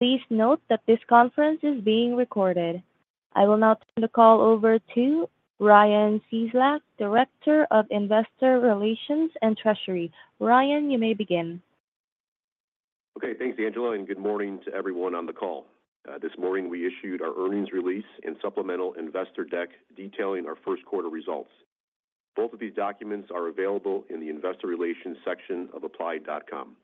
Please note that this conference is being recorded. I will now turn the call over to Ryan Cieslak, Director of Investor Relations and Treasury. Ryan, you may begin. Okay, thanks, Angela, and good morning to everyone on the call. This morning, we issued our earnings release and supplemental investor deck detailing our first quarter results. Both of these documents are available in the Investor Relations section of applied.com.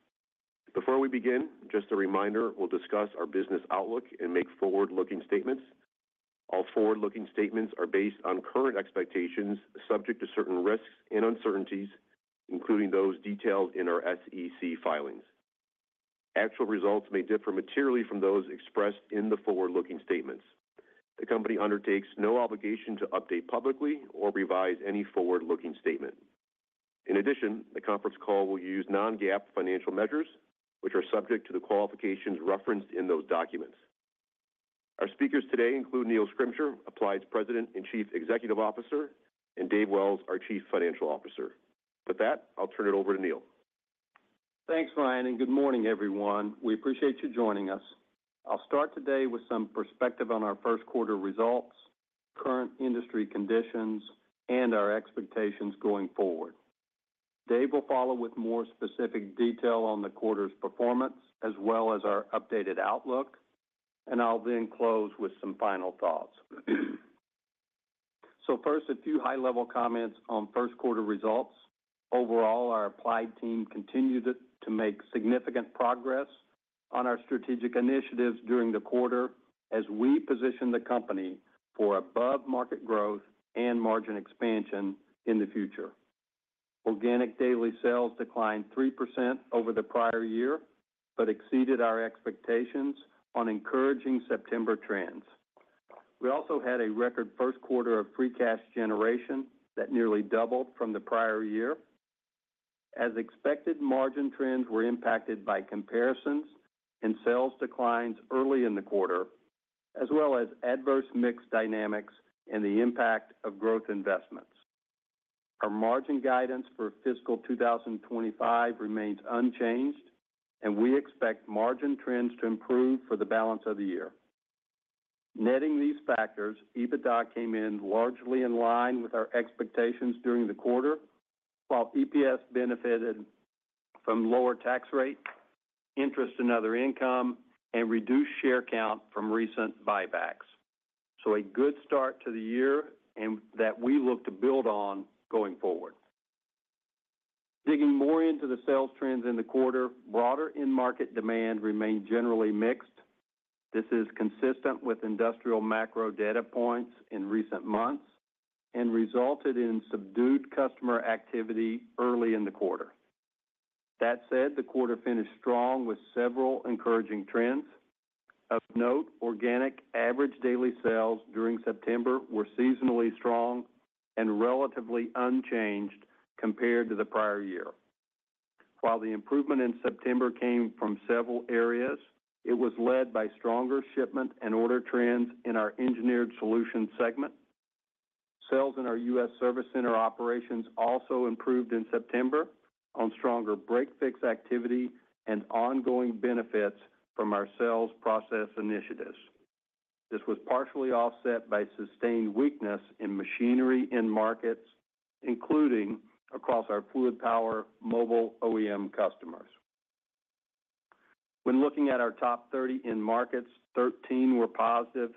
Before we begin, just a reminder, we'll discuss our business outlook and make forward-looking statements. All forward-looking statements are based on current expectations, subject to certain risks and uncertainties, including those detailed in our SEC filings. Actual results may differ materially from those expressed in the forward-looking statements. The company undertakes no obligation to update publicly or revise any forward-looking statement. In addition, the conference call will use non-GAAP financial measures, which are subject to the qualifications referenced in those documents. Our speakers today include Neil Schrimsher, Applied's President and Chief Executive Officer, and Dave Wells, our Chief Financial Officer. With that, I'll turn it over to Neil. Thanks, Ryan, and good morning, everyone. We appreciate you joining us. I'll start today with some perspective on our first quarter results, current industry conditions, and our expectations going forward. Dave will follow with more specific detail on the quarter's performance, as well as our updated outlook, and I'll then close with some final thoughts. First, a few high-level comments on first quarter results. Overall, our Applied team continued to make significant progress on our strategic initiatives during the quarter as we position the company for above-market growth and margin expansion in the future. Organic daily sales declined 3% over the prior year, but exceeded our expectations on encouraging September trends. We also had a record first quarter of free cash generation that nearly doubled from the prior year. As expected, margin trends were impacted by comparisons and sales declines early in the quarter, as well as adverse mix dynamics and the impact of growth investments. Our margin guidance for fiscal 2025 remains unchanged, and we expect margin trends to improve for the balance of the year. Netting these factors, EBITDA came in largely in line with our expectations during the quarter, while EPS benefited from lower tax rate, interest and other income, and reduced share count from recent buybacks. So a good start to the year and that we look to build on going forward. Digging more into the sales trends in the quarter, broader end market demand remained generally mixed. This is consistent with industrial macro data points in recent months and resulted in subdued customer activity early in the quarter. That said, the quarter finished strong with several encouraging trends. Of note, organic average daily sales during September were seasonally strong and relatively unchanged compared to the prior year. While the improvement in September came from several areas, it was led by stronger shipment and order trends in our Engineered Solutions segment. Sales in our U.S. Service Center operations also improved in September on stronger break-fix activity and ongoing benefits from our sales process initiatives. This was partially offset by sustained weakness in machinery end markets, including across our fluid power mobile OEM customers. When looking at our top 30 end markets, 13 were positive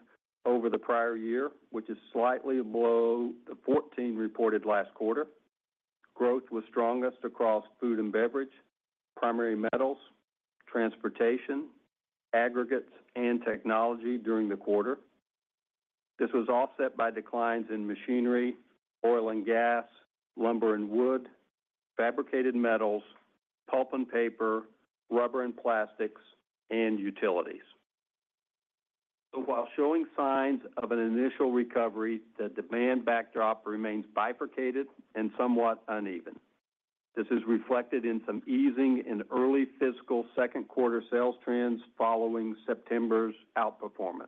over the prior year, which is slightly below the 14 reported last quarter. Growth was strongest across food and beverage, primary metals, transportation, aggregates, and technology during the quarter. This was offset by declines in machinery, oil and gas, lumber and wood, fabricated metals, pulp and paper, rubber and plastics, and utilities. While showing signs of an initial recovery, the demand backdrop remains bifurcated and somewhat uneven. This is reflected in some easing in early fiscal second quarter sales trends following September's outperformance.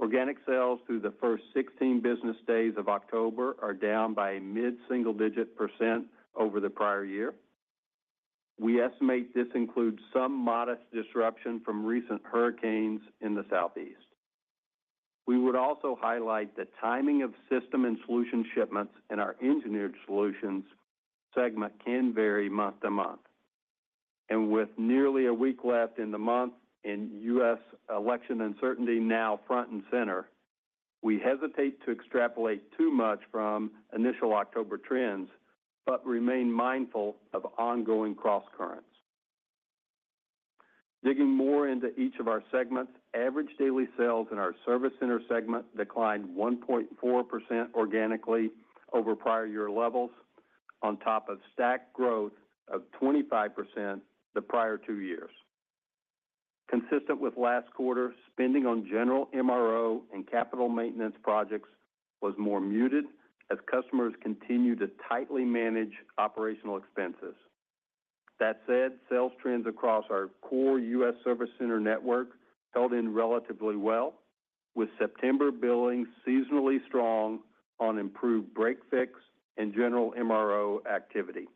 Organic sales through the first 16 business days of October are down by a mid-single-digit % over the prior year. We estimate this includes some modest disruption from recent hurricanes in the Southeast. We would also highlight the timing of system and solution shipments in our engineered solutions segment can vary month to month. With nearly a week left in the month, and U.S. election uncertainty now front and center, we hesitate to extrapolate too much from initial October trends, but remain mindful of ongoing crosscurrents. Digging more into each of our segments, average daily sales in our Service Center segment declined 1.4% organically over prior year levels, on top of stacked growth of 25% the prior two years. Consistent with last quarter, spending on general MRO and capital maintenance projects was more muted as customers continued to tightly manage operational expenses. That said, sales trends across our core U.S. Service Center network held in relatively well, with September billing seasonally strong on improved break-fix and general MRO activity...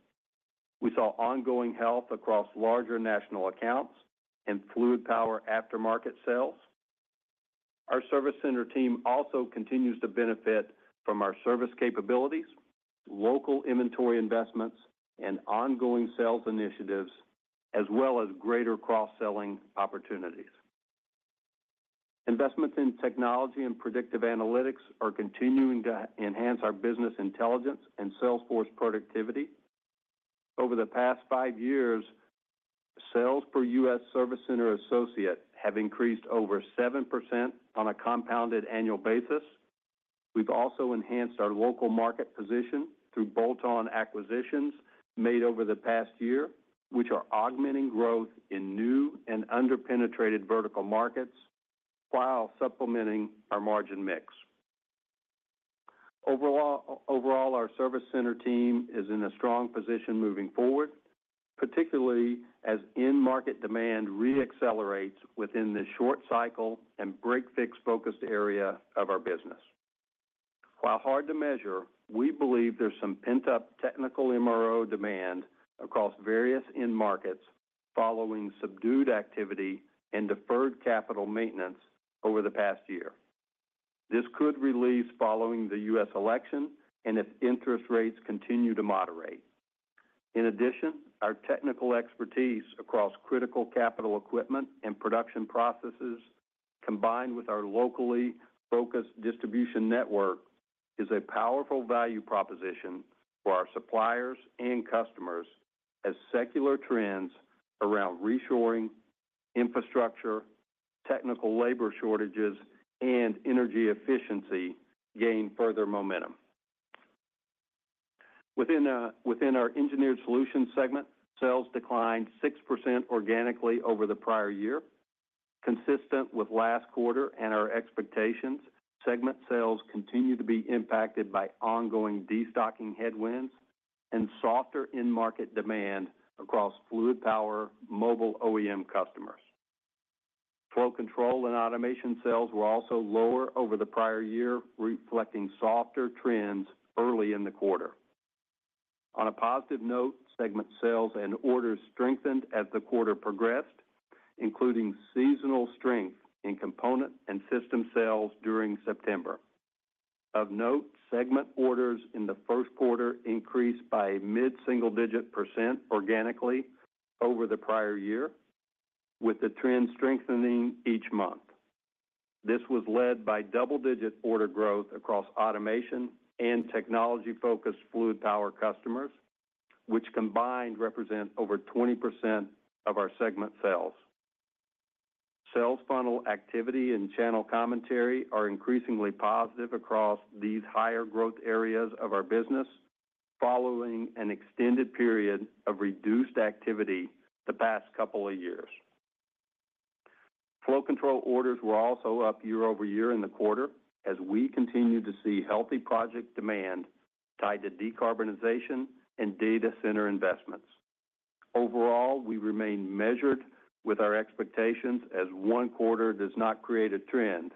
We saw ongoing health across larger national accounts and fluid power aftermarket sales. Our Service Center team also continues to benefit from our service capabilities, local inventory investments, and ongoing sales initiatives, as well as greater cross-selling opportunities. Investments in technology and predictive analytics are continuing to enhance our business intelligence and sales force productivity. Over the past five years, sales per U.S. Service Center associate have increased over 7% on a compounded annual basis. We've also enhanced our local market position through bolt-on acquisitions made over the past year, which are augmenting growth in new and under-penetrated vertical markets while supplementing our margin mix. Overall, our service center team is in a strong position moving forward, particularly as end market demand re-accelerates within the short cycle and break-fix-focused area of our business. While hard to measure, we believe there's some pent-up technical MRO demand across various end markets following subdued activity and deferred capital maintenance over the past year. This could release following the U.S. election and if interest rates continue to moderate. In addition, our technical expertise across critical capital equipment and production processes, combined with our locally focused distribution network, is a powerful value proposition for our suppliers and customers as secular trends around reshoring, infrastructure, technical labor shortages, and energy efficiency gain further momentum. Within our Engineered Solutions segment, sales declined 6% organically over the prior year. Consistent with last quarter and our expectations, segment sales continue to be impacted by ongoing destocking headwinds and softer end market demand across fluid power mobile OEM customers. Flow control and automation sales were also lower over the prior year, reflecting softer trends early in the quarter. On a positive note, segment sales and orders strengthened as the quarter progressed, including seasonal strength in component and system sales during September. Of note, segment orders in the first quarter increased by a mid-single-digit % organically over the prior year, with the trend strengthening each month. This was led by double-digit order growth across automation and technology-focused fluid power customers, which combined represent over 20% of our segment sales. Sales funnel activity and channel commentary are increasingly positive across these higher growth areas of our business, following an extended period of reduced activity the past couple of years. Flow control orders were also up year-over-year in the quarter, as we continue to see healthy project demand tied to decarbonization and data center investments. Overall, we remain measured with our expectations, as one quarter does not create a trend.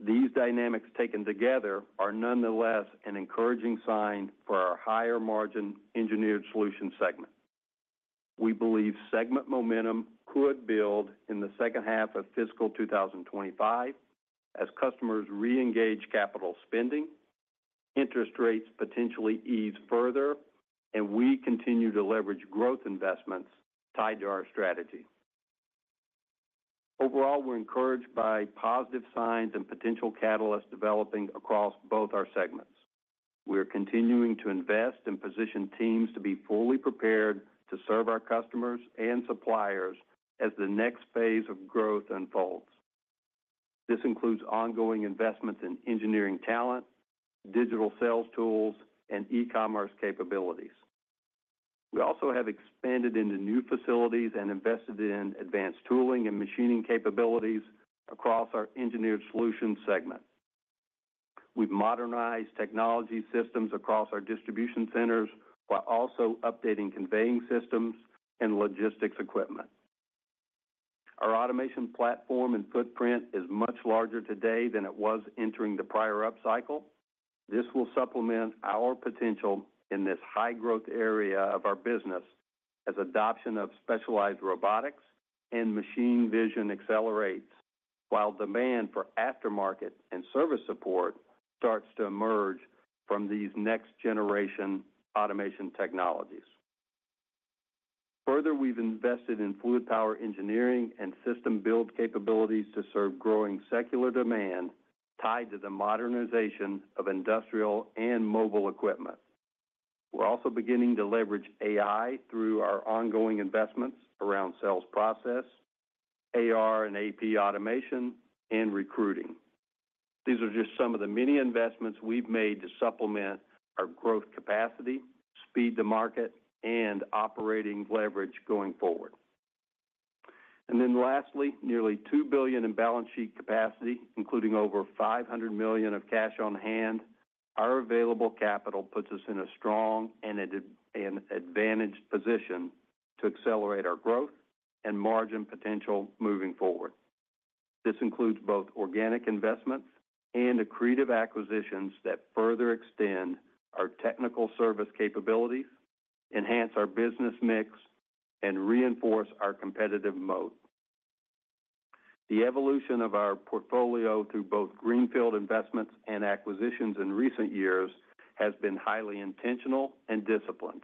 These dynamics, taken together, are nonetheless an encouraging sign for our higher-margin Engineered Solutions segment. We believe segment momentum could build in the second half of fiscal 2025 as customers reengage capital spending, interest rates potentially ease further, and we continue to leverage growth investments tied to our strategy. Overall, we're encouraged by positive signs and potential catalysts developing across both our segments. We're continuing to invest and position teams to be fully prepared to serve our customers and suppliers as the next phase of growth unfolds. This includes ongoing investments in engineering talent, digital sales tools, and e-commerce capabilities. We also have expanded into new facilities and invested in advanced tooling and machining capabilities across our Engineered Solutions segment. We've modernized technology systems across our distribution centers, while also updating conveying systems and logistics equipment. Our automation platform and footprint is much larger today than it was entering the prior upcycle. This will supplement our potential in this high-growth area of our business as adoption of specialized robotics and machine vision accelerates, while demand for aftermarket and service support starts to emerge from these next-generation automation technologies. Further, we've invested in fluid power engineering and system build capabilities to serve growing secular demand tied to the modernization of industrial and mobile equipment. We're also beginning to leverage AI through our ongoing investments around sales process, AR and AP automation, and recruiting. These are just some of the many investments we've made to supplement our growth capacity, speed to market, and operating leverage going forward. And then lastly, nearly $2 billion in balance sheet capacity, including over $500 million of cash on hand. Our available capital puts us in a strong and advantaged position to accelerate our growth and margin potential moving forward. This includes both organic investments and accretive acquisitions that further extend our technical service capabilities, enhance our business mix, and reinforce our competitive moat. The evolution of our portfolio through both greenfield investments and acquisitions in recent years has been highly intentional and disciplined.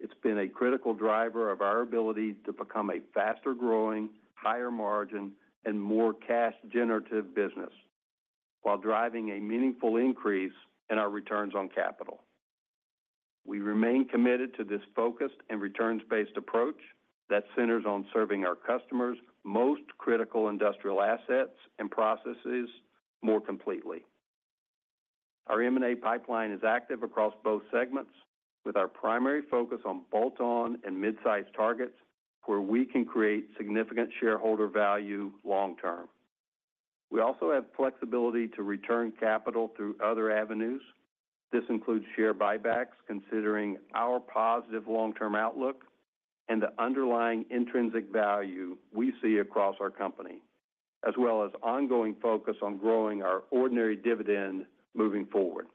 It's been a critical driver of our ability to become a faster-growing, higher-margin, and more cash-generative business, while driving a meaningful increase in our returns on capital. We remain committed to this focused and returns-based approach that centers on serving our customers' most critical industrial assets and processes more completely. Our M&A pipeline is active across both segments, with our primary focus on bolt-on and mid-sized targets where we can create significant shareholder value long term. We also have flexibility to return capital through other avenues. This includes share buybacks, considering our positive long-term outlook and the underlying intrinsic value we see across our company, as well as ongoing focus on growing our ordinary dividend moving forward.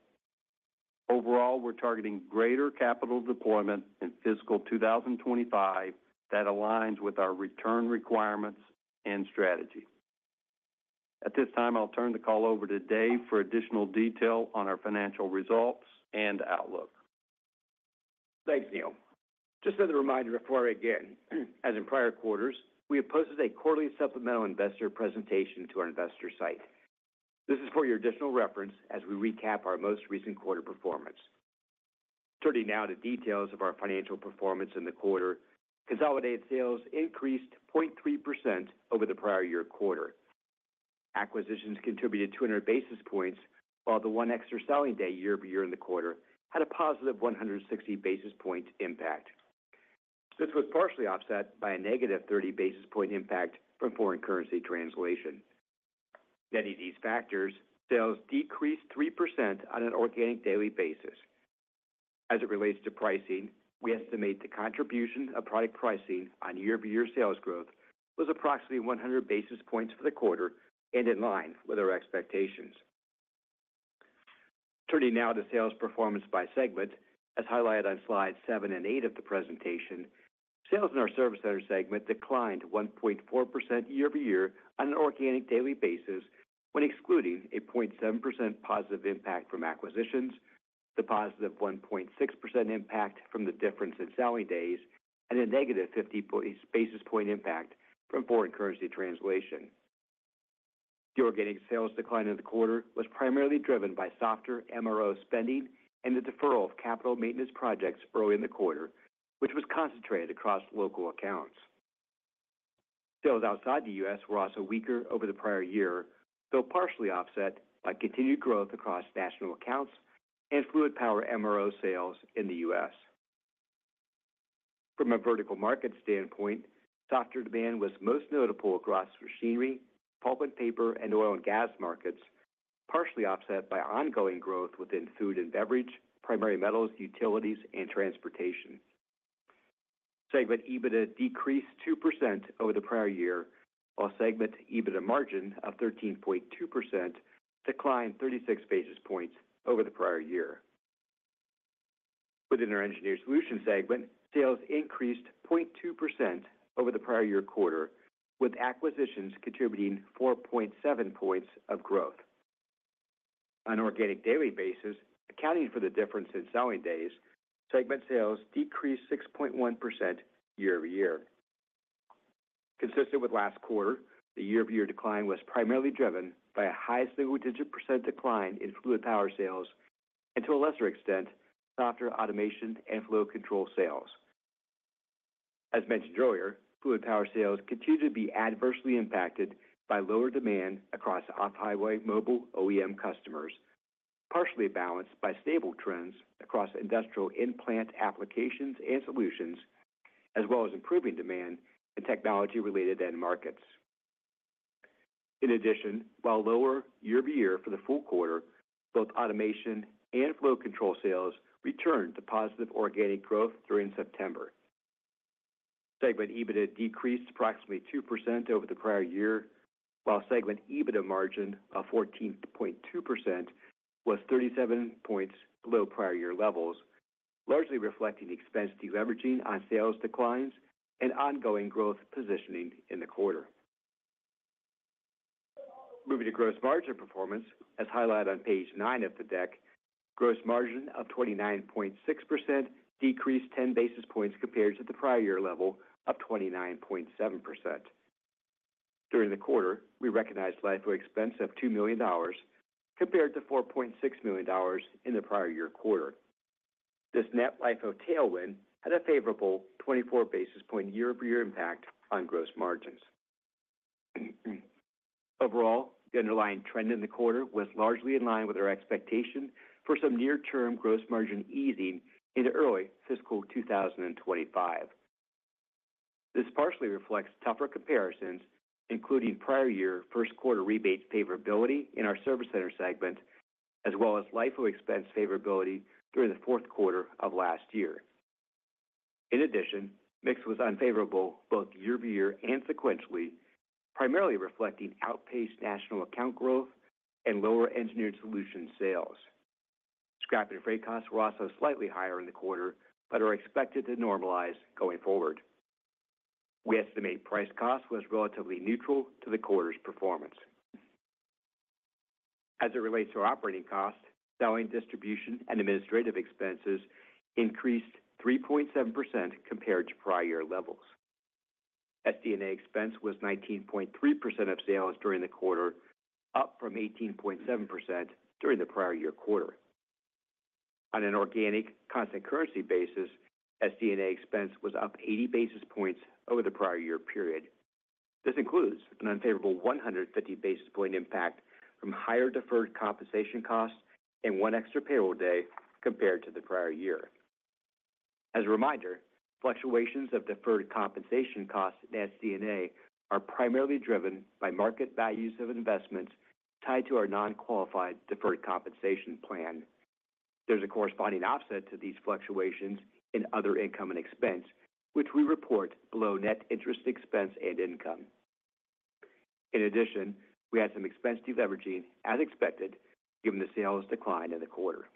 Overall, we're targeting greater capital deployment in fiscal 2025 that aligns with our return requirements and strategy. At this time, I'll turn the call over to Dave for additional detail on our financial results and outlook. Thanks, Neil. Just as a reminder before I begin, as in prior quarters, we have posted a quarterly supplemental investor presentation to our investor site. This is for your additional reference as we recap our most recent quarter performance. Turning now to details of our financial performance in the quarter. Consolidated sales increased 0.3% over the prior year quarter. Acquisitions contributed two hundred basis points, while the one extra selling day year-over-year in the quarter had a positive one hundred and sixty basis point impact. This was partially offset by a negative thirty basis point impact from foreign currency translation. Netting these factors, sales decreased 3% on an organic daily basis. As it relates to pricing, we estimate the contribution of product pricing on year-over-year sales growth was approximately one hundred basis points for the quarter and in line with our expectations. Turning now to sales performance by segment. As highlighted on slides seven and eight of the presentation, sales in our Service Center segment declined 1.4% year-over-year on an organic daily basis, when excluding a 0.7% positive impact from acquisitions, the positive 1.6% impact from the difference in selling days, and a negative 50 basis point impact from foreign currency translation. The organic sales decline in the quarter was primarily driven by softer MRO spending and the deferral of capital maintenance projects early in the quarter, which was concentrated across local accounts. Sales outside the U.S. were also weaker over the prior year, though partially offset by continued growth across national accounts and fluid power MRO sales in the U.S. From a vertical market standpoint, softer demand was most notable across machinery, pulp and paper, and oil and gas markets, partially offset by ongoing growth within food and beverage, primary metals, utilities, and transportation. Segment EBITDA decreased 2% over the prior year, while segment EBITDA margin of 13.2% declined thirty-six basis points over the prior year. Within our Engineered Solutions segment, sales increased 0.2% over the prior year quarter, with acquisitions contributing 4.7 points of growth. On an organic daily basis, accounting for the difference in selling days, segment sales decreased 6.1% year-over-year. Consistent with last quarter, the year-over-year decline was primarily driven by a high single-digit % decline in fluid power sales and, to a lesser extent, softer automation and flow control sales. As mentioned earlier, fluid power sales continue to be adversely impacted by lower demand across off-highway mobile OEM customers, partially balanced by stable trends across industrial in-plant applications and solutions, as well as improving demand in technology-related end markets. In addition, while lower year-over-year for the full quarter, both automation and flow control sales returned to positive organic growth during September. Segment EBITDA decreased approximately 2% over the prior year, while segment EBITDA margin of 14.2% was 37 points below prior year levels, largely reflecting expense deleveraging on sales declines and ongoing growth positioning in the quarter. Moving to gross margin performance, as highlighted on page 9 of the deck. Gross margin of 29.6% decreased 10 basis points compared to the prior year level of 29.7%. During the quarter, we recognized LIFO expense of $2 million, compared to $4.6 million in the prior year quarter. This net LIFO tailwind had a favorable 24 basis points year-over-year impact on gross margins. Overall, the underlying trend in the quarter was largely in line with our expectation for some near-term gross margin easing in early fiscal 2025. This partially reflects tougher comparisons, including prior year first quarter rebates favorability in our Service Center segment, as well as LIFO expense favorability during the fourth quarter of last year. In addition, mix was unfavorable both year-over-year and sequentially, primarily reflecting outpaced national account growth and lower Engineered Solutions sales. Scrap and freight costs were also slightly higher in the quarter, but are expected to normalize going forward. We estimate price cost was relatively neutral to the quarter's performance. As it relates to our operating costs, selling, distribution, and administrative expenses increased 3.7% compared to prior year levels. SD&A expense was 19.3% of sales during the quarter, up from 18.7% during the prior year quarter. On an organic constant currency basis, SD&A expense was up 80 basis points over the prior year period. This includes an unfavorable 150 basis points impact from higher deferred compensation costs and one extra payroll day compared to the prior year. As a reminder, fluctuations of deferred compensation costs and SD&A are primarily driven by market values of investments tied to our non-qualified deferred compensation plan. There's a corresponding offset to these fluctuations in other income and expense, which we report below net interest expense and income. In addition, we had some expense deleveraging, as expected, given the sales decline in the quarter.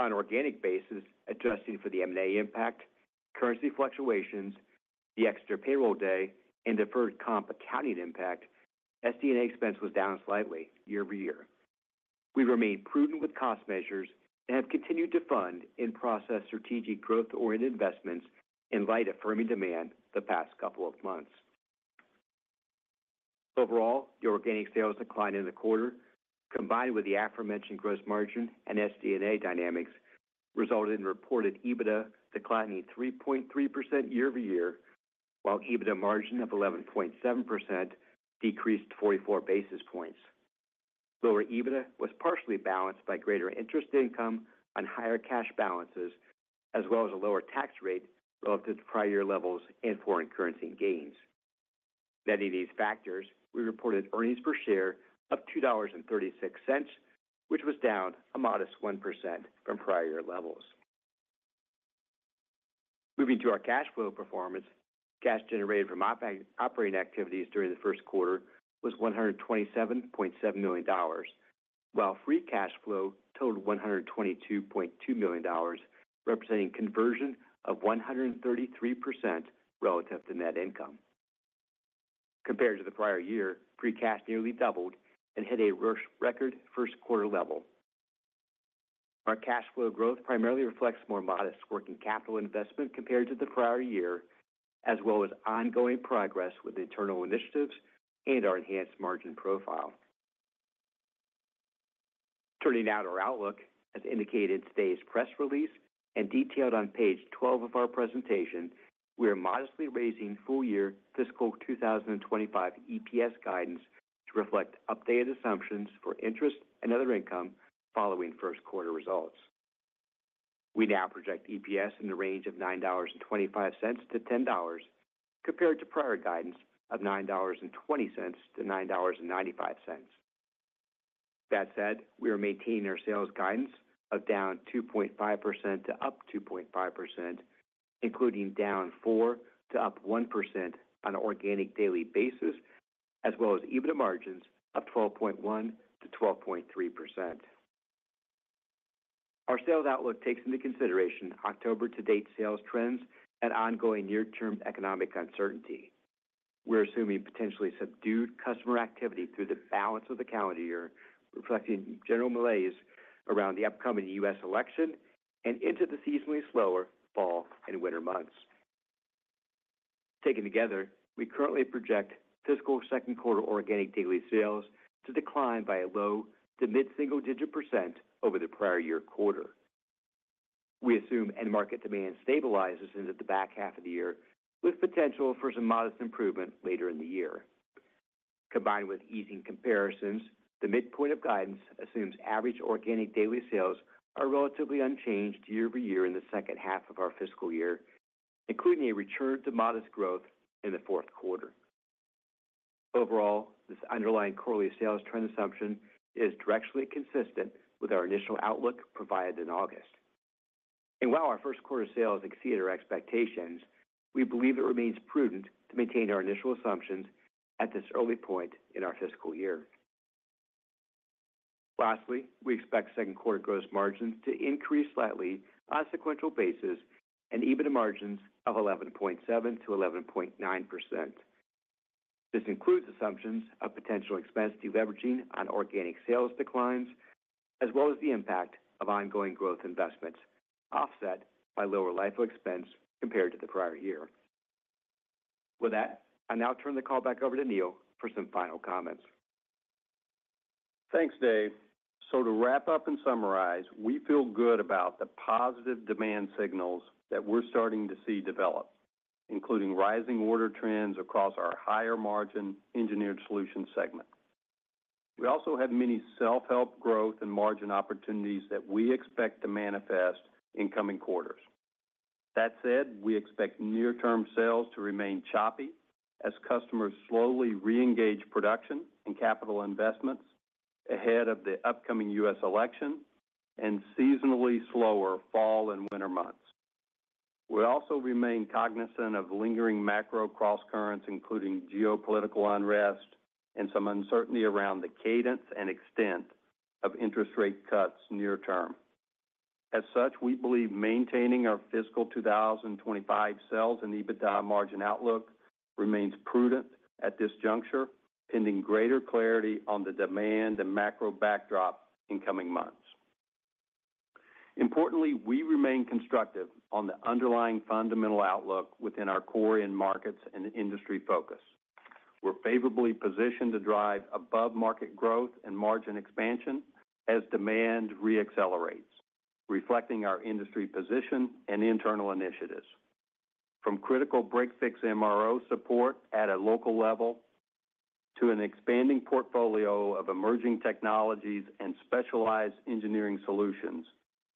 On an organic basis, adjusting for the M&A impact, currency fluctuations, the extra payroll day, and deferred comp accounting impact, SD&A expense was down slightly year-over-year. We remain prudent with cost measures and have continued to fund in-process strategic growth-oriented investments in light of firming demand the past couple of months. Overall, the organic sales decline in the quarter, combined with the aforementioned gross margin and SD&A dynamics, resulted in reported EBITDA declining 3.3% year-over-year, while EBITDA margin of 11.7% decreased 44 basis points. Lower EBITDA was partially balanced by greater interest income on higher cash balances, as well as a lower tax rate relative to the prior year levels and foreign currency gains. Netting these factors, we reported earnings per share of $2.36, which was down a modest 1% from prior year levels. Moving to our cash flow performance, cash generated from operating activities during the first quarter was $127.7 million, while free cash flow totaled $122.2 million, representing conversion of 133% relative to net income. Compared to the prior year, free cash nearly doubled and hit a record first quarter level. Our cash flow growth primarily reflects more modest working capital investment compared to the prior year, as well as ongoing progress with internal initiatives and our enhanced margin profile. Turning now to our outlook. As indicated in today's press release and detailed on page 12 of our presentation, we are modestly raising full-year fiscal 2025 EPS guidance to reflect updated assumptions for interest and other income following first quarter results. We now project EPS in the range of $9.25 to $10, compared to prior guidance of $9.20 to $9.95. That said, we are maintaining our sales guidance of down 2.5% to up 2.5%, including down 4% to up 1% on an organic daily basis, as well as EBITDA margins of 12.1% to 12.3%. Our sales outlook takes into consideration October-to-date sales trends and ongoing near-term economic uncertainty. We're assuming potentially subdued customer activity through the balance of the calendar year, reflecting general malaise around the upcoming U.S. election and into the seasonally slower fall and winter months. Taken together, we currently project fiscal second quarter organic daily sales to decline by a low- to mid-single-digit % over the prior year quarter. We assume end market demand stabilizes into the back half of the year, with potential for some modest improvement later in the year. Combined with easing comparisons, the midpoint of guidance assumes average organic daily sales are relatively unchanged year-over-year in the second half of our fiscal year, including a return to modest growth in the fourth quarter. Overall, this underlying quarterly sales trend assumption is directly consistent with our initial outlook provided in August. While our first quarter sales exceeded our expectations, we believe it remains prudent to maintain our initial assumptions at this early point in our fiscal year. Lastly, we expect second quarter gross margins to increase slightly on a sequential basis and EBITDA margins of 11.7% to 11.9%. This includes assumptions of potential expense deleveraging on organic sales declines, as well as the impact of ongoing growth investments, offset by lower LIFO expense compared to the prior year. With that, I now turn the call back over to Neil for some final comments. Thanks, Dave. So to wrap up and summarize, we feel good about the positive demand signals that we're starting to see develop, including rising order trends across our higher-margin Engineered Solutions segment. We also have many self-help growth and margin opportunities that we expect to manifest in coming quarters. That said, we expect near-term sales to remain choppy as customers slowly reengage production and capital investments, ahead of the upcoming U.S. election and seasonally slower fall and winter months. We also remain cognizant of lingering macro crosscurrents, including geopolitical unrest and some uncertainty around the cadence and extent of interest rate cuts near term. As such, we believe maintaining our fiscal two thousand and twenty-five sales and EBITDA margin outlook remains prudent at this juncture, pending greater clarity on the demand and macro backdrop in coming months. Importantly, we remain constructive on the underlying fundamental outlook within our core end markets and industry focus. We're favorably positioned to drive above-market growth and margin expansion as demand reaccelerates, reflecting our industry position and internal initiatives. From critical break-fix MRO support at a local level, to an expanding portfolio of emerging technologies and specialized engineering solutions,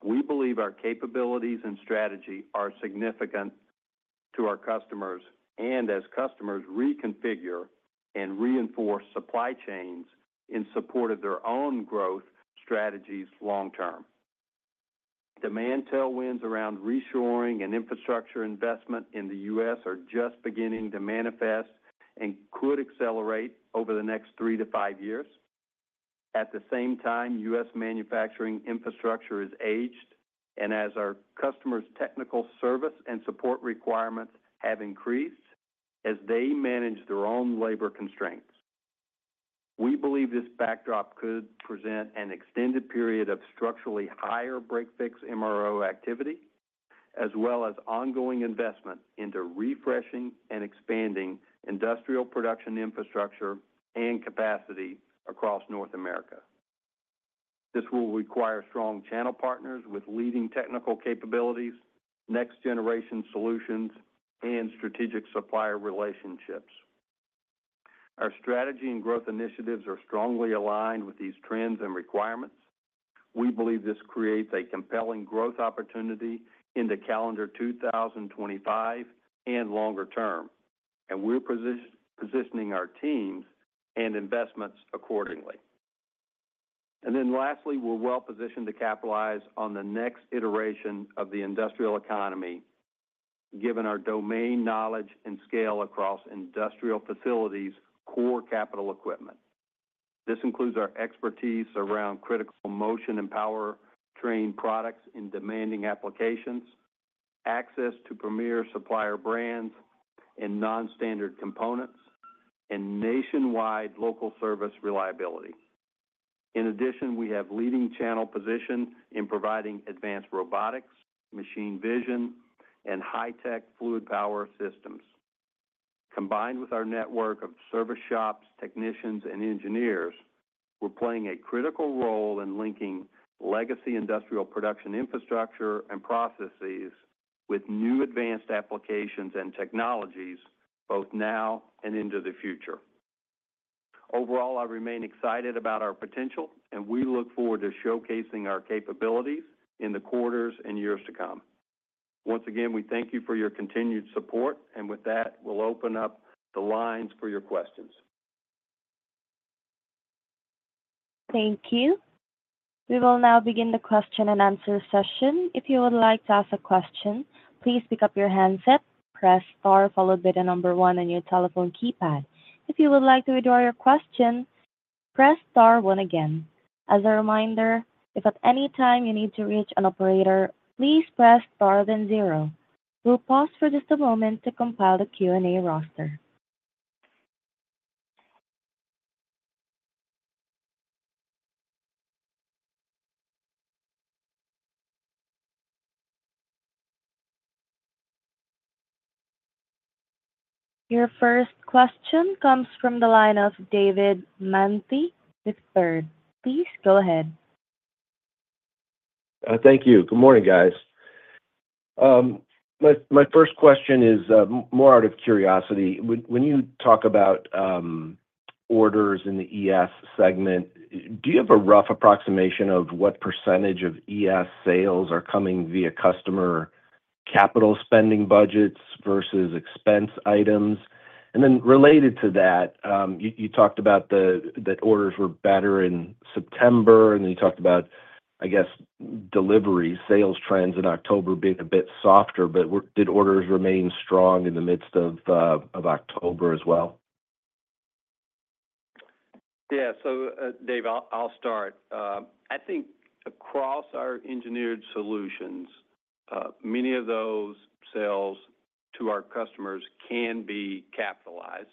we believe our capabilities and strategy are significant to our customers, and as customers reconfigure and reinforce supply chains in support of their own growth strategies long term. Demand tailwinds around reshoring and infrastructure investment in the U.S. are just beginning to manifest and could accelerate over the next three to five years. At the same time, U.S. manufacturing infrastructure is aged, and as our customers' technical service and support requirements have increased as they manage their own labor constraints. We believe this backdrop could present an extended period of structurally higher break-fix MRO activity, as well as ongoing investment into refreshing and expanding industrial production infrastructure and capacity across North America. This will require strong channel partners with leading technical capabilities, next-generation solutions, and strategic supplier relationships. Our strategy and growth initiatives are strongly aligned with these trends and requirements. We believe this creates a compelling growth opportunity into calendar 2025 and longer term, and we're positioning our teams and investments accordingly. And then lastly, we're well positioned to capitalize on the next iteration of the industrial economy, given our domain knowledge and scale across industrial facilities' core capital equipment. This includes our expertise around critical motion and power train products in demanding applications, access to premier supplier brands and non-standard components, and nationwide local service reliability. In addition, we have leading channel position in providing advanced robotics, machine vision, and high-tech fluid power systems. Combined with our network of service shops, technicians, and engineers, we're playing a critical role in linking legacy industrial production infrastructure and processes with new advanced applications and technologies, both now and into the future. Overall, I remain excited about our potential, and we look forward to showcasing our capabilities in the quarters and years to come. Once again, we thank you for your continued support, and with that, we'll open up the lines for your questions. Thank you. We will now begin the question-and-answer session. If you would like to ask a question, please pick up your handset, press star, followed by the number one on your telephone keypad. If you would like to withdraw your question, press star one again. As a reminder, if at any time you need to reach an operator, please press star then zero. We'll pause for just a moment to compile the Q&A roster. Your first question comes from the line of David Manthey with Baird. Please, go ahead. Thank you. Good morning, guys. My first question is more out of curiosity. When you talk about orders in the ES segment, do you have a rough approximation of what percentage of ES sales are coming via customer capital spending budgets versus expense items? And then related to that, you talked about that orders were better in September, and then you talked about, I guess, delivery sales trends in October being a bit softer, but did orders remain strong in the midst of October as well? Yeah. So, Dave, I'll start. I think across our Engineered Solutions, many of those sales to our customers can be capitalized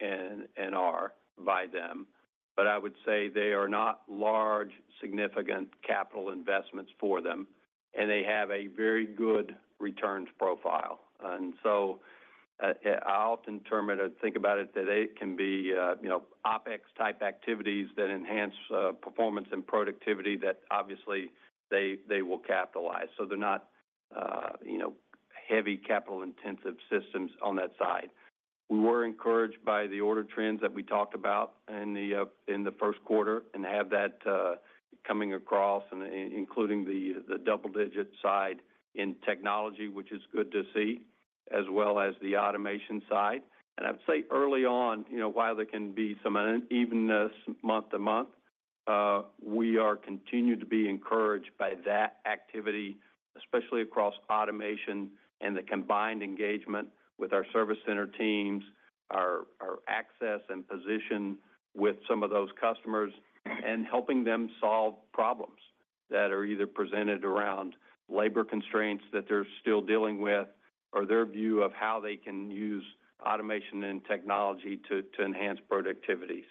and are by them, but I would say they are not large, significant capital investments for them, and they have a very good returns profile. And so, I often term it or think about it, that they can be, you know, OpEx-type activities that enhance performance and productivity, that obviously they will capitalize. So they're not, you know, heavy capital-intensive systems on that side. We were encouraged by the order trends that we talked about in the first quarter and have that coming across, including the double-digit side in technology, which is good to see, as well as the automation side. I'd say early on, you know, while there can be some unevenness month to month, we are continued to be encouraged by that activity, especially across automation and the combined engagement with our service center teams, our access and position with some of those customers, and helping them solve problems that are either presented around labor constraints that they're still dealing with, or their view of how they can use automation and technology to enhance productivity.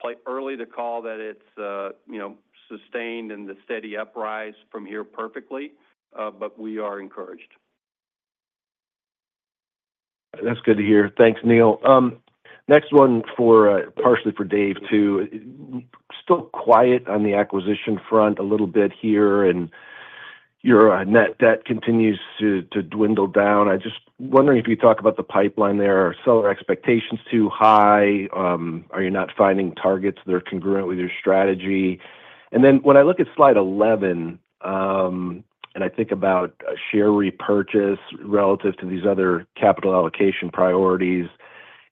Probably early to call that it's, you know, sustained and the steady uprise from here perfectly, but we are encouraged. That's good to hear. Thanks, Neil. Next one for, partially for Dave, too. Still quiet on the acquisition front a little bit here, and your net debt continues to dwindle down. I'm just wondering if you talk about the pipeline there. Are seller expectations too high? Are you not finding targets that are congruent with your strategy? And then, when I look at slide 11, and I think about share repurchase relative to these other capital allocation priorities,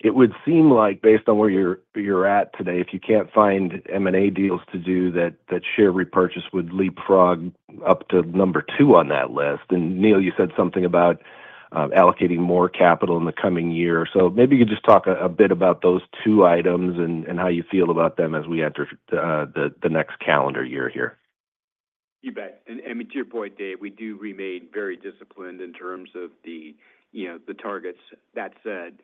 it would seem like based on where you're at today, if you can't find M&A deals to do, that share repurchase would leapfrog up to number two on that list. And Neil, you said something about, allocating more capital in the coming year. So maybe you could just talk a bit about those two items and how you feel about them as we enter the next calendar year here. You bet. And to your point, Dave, we do remain very disciplined in terms of the you know the targets. That said,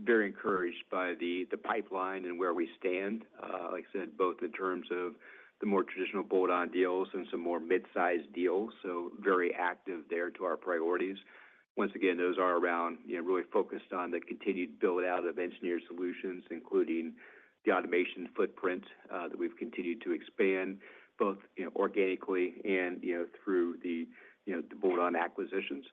very encouraged by the pipeline and where we stand, like I said, both in terms of the more traditional bolt-on deals and some more mid-sized deals, so very active there to our priorities. Once again, those are around you know really focused on the continued build-out of engineered solutions, including the automation footprint that we've continued to expand, both you know organically and you know through the you know the bolt-on acquisitions,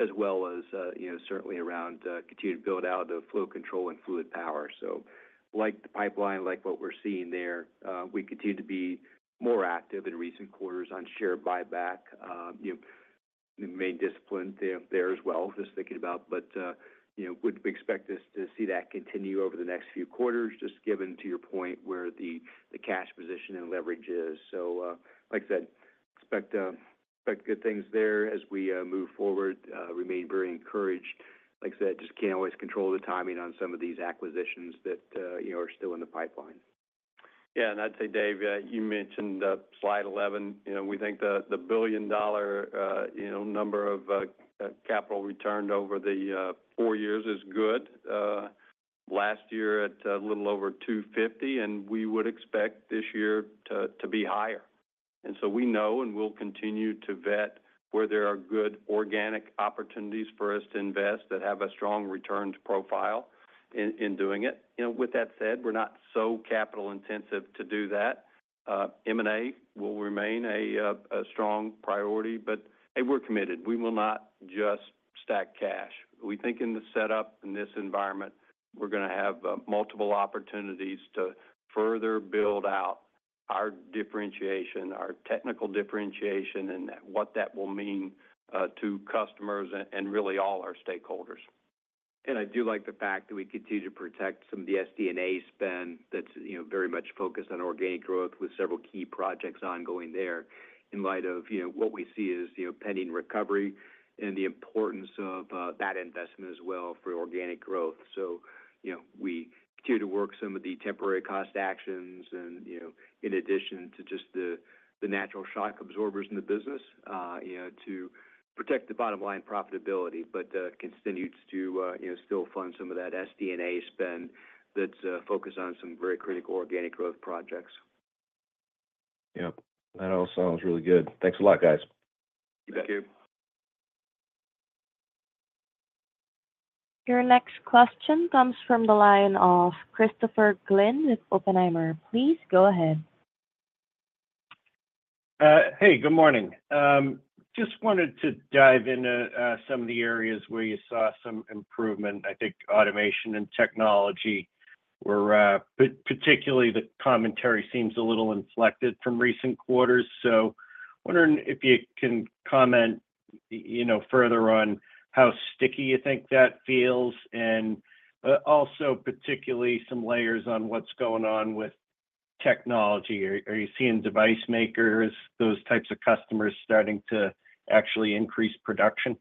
as well as you know certainly around continued build-out of flow control and fluid power. So like the pipeline, like what we're seeing there, we continue to be more active in recent quarters on share buyback. You know remain disciplined there as well, just thinking about. But, you know, would expect us to see that continue over the next few quarters, just given to your point, where the cash position and leverage is. So, like I said, expect good things there as we move forward. Remain very encouraged. Like I said, just can't always control the timing on some of these acquisitions that, you know, are still in the pipeline. Yeah, and I'd say, Dave, you mentioned slide 11. You know, we think the billion-dollar number of capital returned over the four years is good. Last year at little over two fifty, and we would expect this year to be higher. And so we know, and we'll continue to vet where there are good organic opportunities for us to invest that have a strong return profile in doing it. You know, with that said, we're not so capital intensive to do that. M&A will remain a strong priority, but hey, we're committed. We will not just stack cash. We think in the setup in this environment, we're gonna have multiple opportunities to further build out our differentiation, our technical differentiation, and that, what that will mean to customers and really all our stakeholders. I do like the fact that we continue to protect some of the SD&A spend that's, you know, very much focused on organic growth, with several key projects ongoing there, in light of, you know, what we see as, you know, pending recovery and the importance of that investment as well for organic growth. So, you know, we continue to work some of the temporary cost actions and, you know, in addition to just the natural shock absorbers in the business, you know, to protect the bottom line profitability, but continues to, you know, still fund some of that SD&A spend, that's focused on some very critical organic growth projects. Yep. That all sounds really good. Thanks a lot, guys. Thank you. Your next question comes from the line of Christopher Glynn with Oppenheimer. Please go ahead. Hey, good morning. Just wanted to dive into some of the areas where you saw some improvement. I think automation and technology were particularly the commentary seems a little inflected from recent quarters. So wondering if you can comment, you know, further on how sticky you think that feels? And also particularly some layers on what's going on with technology. Are you seeing device makers, those types of customers, starting to actually increase production?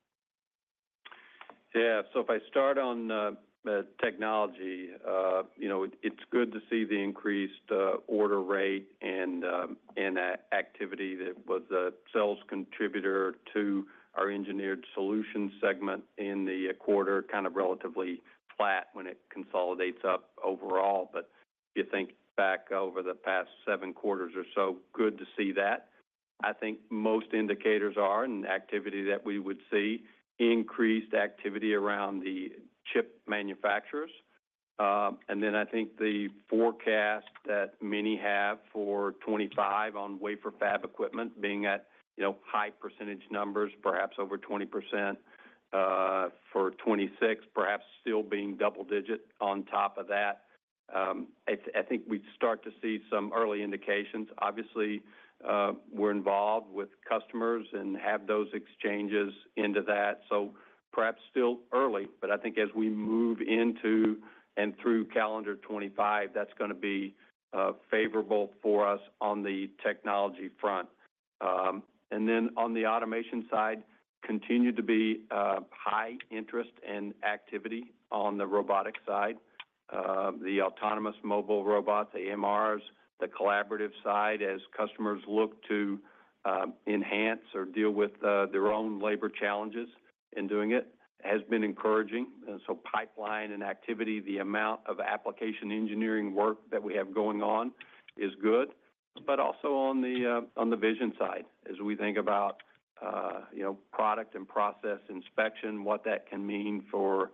Yeah. So if I start on technology, you know, it's good to see the increased order rate and activity that was a sales contributor to our Engineered Solutions segment in the quarter, kind of relatively flat when it consolidates up overall. But you think back over the past seven quarters or so, good to see that. I think most indicators are, and activity that we would see, increased activity around the chip manufacturers. And then I think the forecast that many have for 2025 on wafer fab equipment being at, you know, high percentage numbers, perhaps over 20%, for 2026, perhaps still being double-digit on top of that. I think we start to see some early indications. Obviously, we're involved with customers and have those exchanges into that, so perhaps still early, but I think as we move into and through calendar 2025, that's gonna be, favorable for us on the technology front. And then on the automation side, continue to be, high interest and activity on the robotic side. The autonomous mobile robots, AMRs, the collaborative side, as customers look to, enhance or deal with, their own labor challenges in doing it, has been encouraging. And so pipeline and activity, the amount of application engineering work that we have going on is good. But also on the vision side, as we think about, you know, product and process inspection, what that can mean for,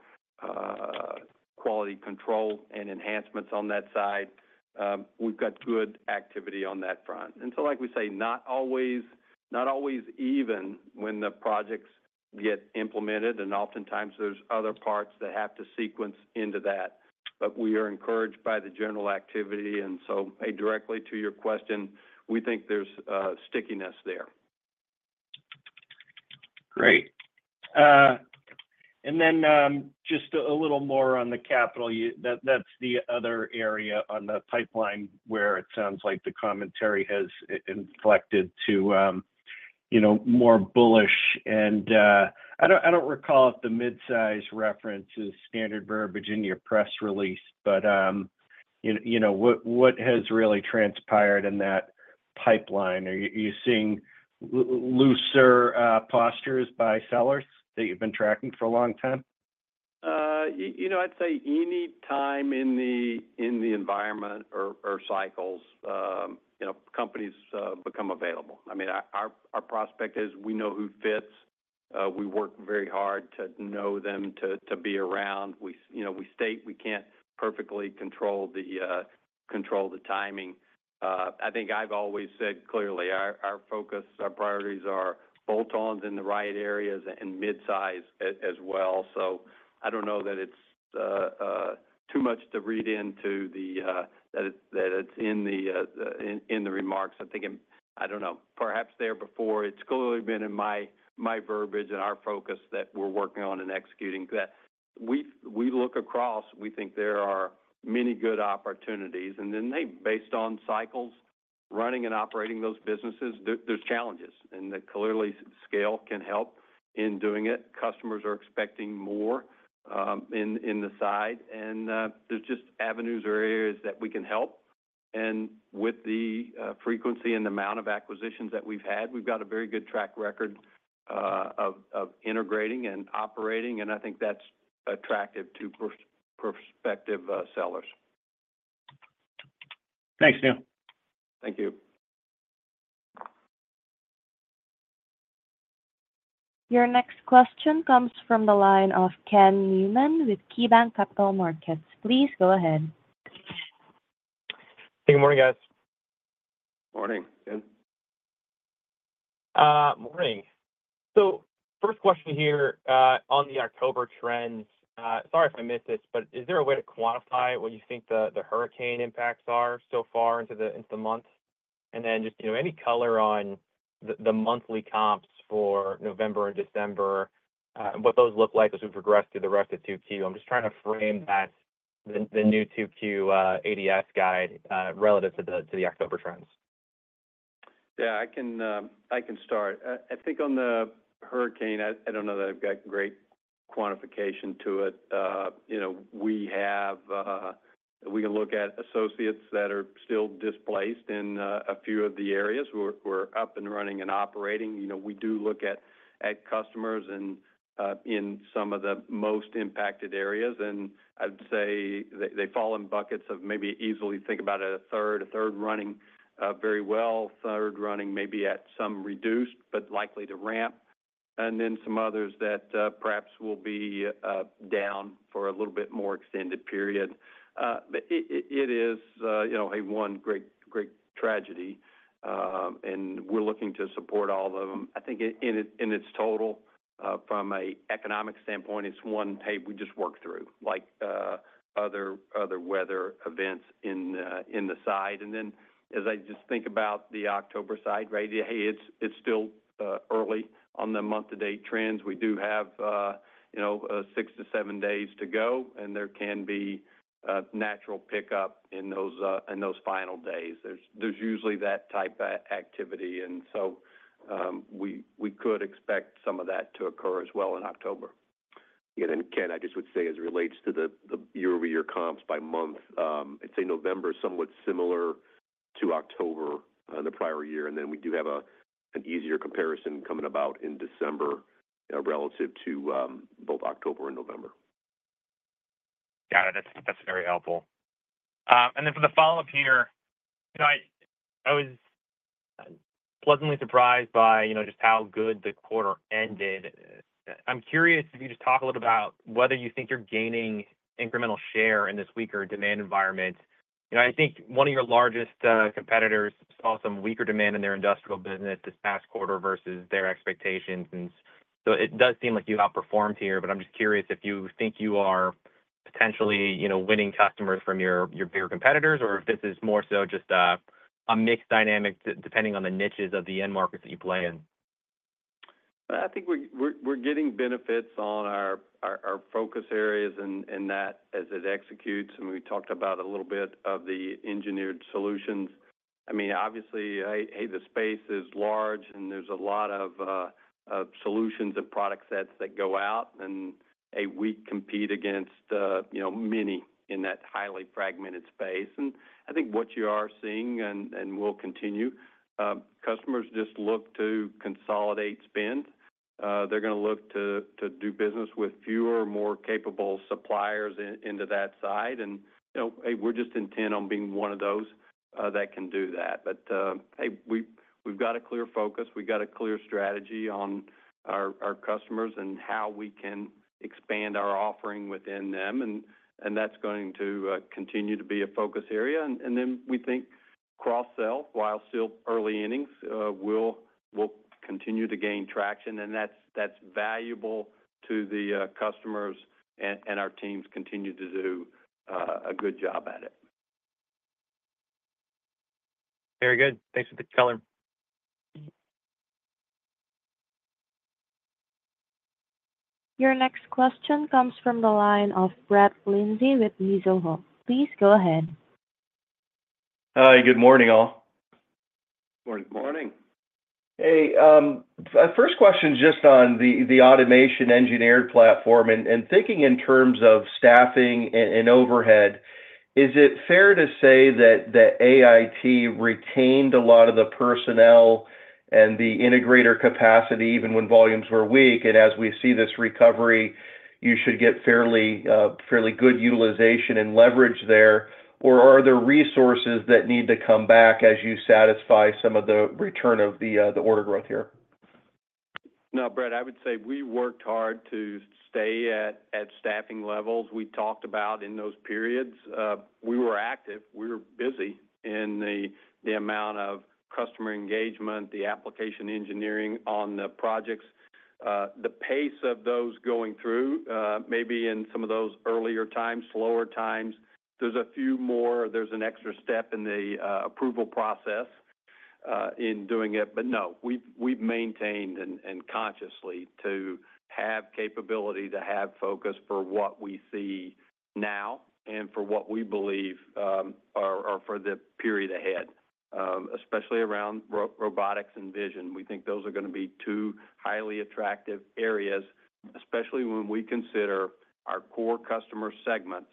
quality control and enhancements on that side, we've got good activity on that front. Like we say, not always, not always even when the projects get implemented, and oftentimes there's other parts that have to sequence into that, but we are encouraged by the general activity. Directly to your question, we think there's stickiness there. Great. And then, just a little more on the capital, you - that, that's the other area on the pipeline where it sounds like the commentary has inflected to, you know, more bullish. I don't recall if the mid-size reference is standard verbiage in your press release, but, you know, what has really transpired in that pipeline? Are you seeing looser postures by sellers that you've been tracking for a long time? You know, I'd say any time in the environment or cycles, you know, companies become available. I mean, our prospect is we know who fits. We work very hard to know them, to be around. You know, we state we can't perfectly control the timing. I think I've always said clearly, our focus, our priorities are bolt-ons in the right areas and mid-size as well. So I don't know that it's too much to read into that it's in the remarks. I think, I don't know, perhaps there before, it's clearly been in my verbiage and our focus that we're working on and executing that. We look across. We think there are many good opportunities, and then they, based on cycles, running and operating those businesses, there's challenges, and clearly, scale can help in doing it. Customers are expecting more in the side, and there's just avenues or areas that we can help. And with the frequency and amount of acquisitions that we've had, we've got a very good track record of integrating and operating, and I think that's attractive to prospective sellers. Thanks, Neil. Thank you. Your next question comes from the line of Ken Newman with KeyBanc Capital Markets. Please go ahead. Good morning, guys. Morning, Ken. Morning. So first question here, on the October trends, sorry if I missed this, but is there a way to quantify what you think the hurricane impacts are so far into the month? And then just, you know, any color on the monthly comps for November and December, and what those look like as we progress through the rest of 2Q. I'm just trying to frame the new 2Q ADS guide relative to the October trends. Yeah, I can, I can start. I think on the hurricane, I don't know that I've got great quantification to it. You know, we can look at associates that are still displaced in a few of the areas. We're up and running and operating. You know, we do look at customers and in some of the most impacted areas, and I'd say they fall in buckets of maybe easily, think about a third, a third running very well, a third running maybe at some reduced, but likely to ramp, and then some others that perhaps will be down for a little bit more extended period. But it is, you know, a one great, great tragedy, and we're looking to support all of them. I think in its total, from an economic standpoint, it's one that we just work through, like other weather events in the Southeast. And then, as I just think about the October side, right, hey, it's still early on the month-to-date trends. We do have, you know, six to seven days to go, and there can be natural pickup in those final days. There's usually that type of activity, and so we could expect some of that to occur as well in October. Yeah, and Ken, I just would say, as it relates to the year-over-year comps by month, I'd say November is somewhat similar to October in the prior year, and then we do have an easier comparison coming about in December, relative to both October and November. Got it. That's, that's very helpful. And then for the follow-up here, you know, I, I was pleasantly surprised by, you know, just how good the quarter ended. I'm curious if you just talk a little about whether you think you're gaining incremental share in this weaker demand environment? You know, I think one of your largest competitors saw some weaker demand in their industrial business this past quarter versus their expectations. And so it does seem like you've outperformed here, but I'm just curious if you think you are potentially, you know, winning customers from your, your bigger competitors, or if this is more so just a, a mixed dynamic depending on the niches of the end markets that you play in? I think we're getting benefits on our focus areas and that as it executes, and we talked about a little bit of the Engineered Solutions. I mean, obviously, hey, the space is large, and there's a lot of solutions and product sets that go out. And, hey, we compete against, you know, many in that highly fragmented space. And I think what you are seeing, and will continue, customers just look to consolidate spend. They're gonna look to do business with fewer, more capable suppliers into that side. And, you know, hey, we're just intent on being one of those that can do that. But, hey, we've got a clear focus, we've got a clear strategy on our customers and how we can expand our offering within them. That's going to continue to be a focus area. Then we think cross-sell, while still early innings, will continue to gain traction, and that's valuable to the customers, and our teams continue to do a good job at it. Very good. Thanks for the color. Your next question comes from the line of Brett Linzey with Mizuho. Please go ahead. Hi, good morning, all. Good morning. Morning. Hey, first question, just on the automation engineered platform, and thinking in terms of staffing and overhead, is it fair to say that the AIT retained a lot of the personnel and the integrator capacity, even when volumes were weak? And as we see this recovery, you should get fairly, fairly good utilization and leverage there, or are there resources that need to come back as you satisfy some of the return of the order growth here? No, Brett, I would say we worked hard to stay at staffing levels. We talked about in those periods, we were active, we were busy in the amount of customer engagement, the application engineering on the projects. The pace of those going through, maybe in some of those earlier times, slower times, there's an extra step in the approval process, in doing it. But no, we've maintained and consciously to have capability, to have focus for what we see now and for what we believe, or for the period ahead, especially around robotics and vision. We think those are gonna be two highly attractive areas, especially when we consider our core customer segments.